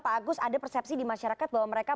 pak agus ada persepsi di masyarakat bahwa mereka